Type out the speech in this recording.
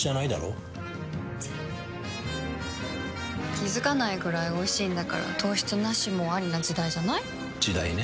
気付かないくらいおいしいんだから糖質ナシもアリな時代じゃない？時代ね。